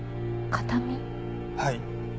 はい。